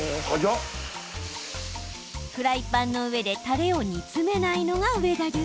フライパンの上でたれを煮詰めないのが上田流。